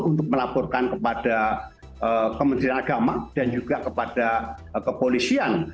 untuk melaporkan kepada kementerian agama dan juga kepada kepolisian